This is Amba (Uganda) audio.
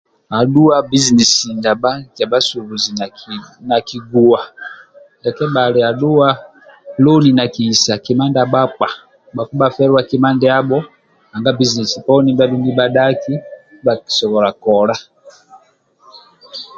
adhuwa bizinesi ndia basubuzi na kiguwa ndia ke bali adhuwa loni nakihisa kima kima ndia bakpa bakpa bafeluwa kima ndiabo nanga bizinesi poni ni badhakiya ndibakakisobola kola